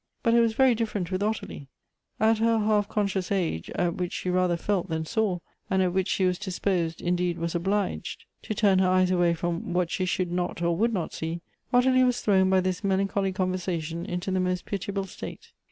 But it was very different with Ottilie. At her half conscious age, at wliieli she ratlier felt than saw, and at which she was disposed, indeed was obliged, to turn her eyes away from what she should not or would not see, Ottilie was thrown by this melan choly conversation into the most pitiable state.